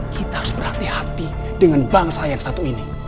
kita harus berhati hati dengan bangsa yang satu ini